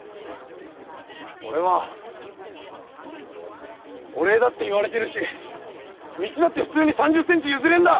俺はお礼だって言われてるし道だって普通に３０センチ譲れんだ！